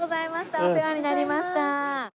お世話になりました。